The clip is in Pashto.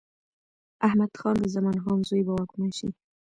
احمد خان د زمان خان زوی به واکمن شي.